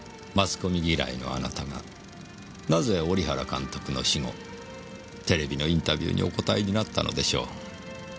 マスコミ嫌いのあなたがなぜ織原監督の死後テレビのインタビューにお答えになったのでしょう？